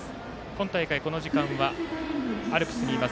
今大会、この時間はアルプスにいます